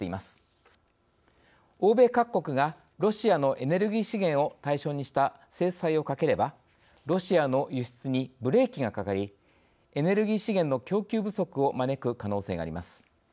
欧米各国がロシアのエネルギー資源を対象にした制裁をかければロシアの輸出にブレーキがかかりエネルギー資源の供給不足を招く可能性があります。